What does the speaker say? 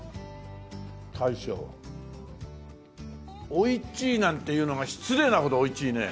おいちいなんて言うのが失礼なほどおいちいね。